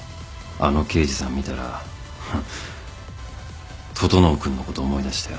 あの刑事さん見たら整君のこと思い出したよ。